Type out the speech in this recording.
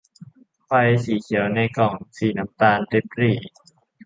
ไฟสีเขียวในกล่องสีน้ำตาลริบหรี่